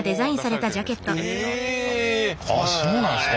あっそうなんですか。